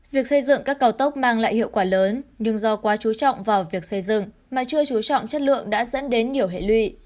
việc xây dựng các cao tốc mang lại hiệu quả lớn nhưng do quá chú trọng vào việc xây dựng mà chưa chú trọng chất lượng đã dẫn đến nhiều hệ lụy